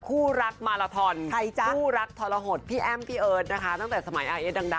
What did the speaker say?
คู่รักมาลาทอนคู่รักทรหดพี่แอ้มพี่เอิร์ทนะคะตั้งแต่สมัยอาร์เอสดัง